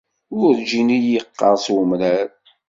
Werǧin i yi-yeqqers umrar.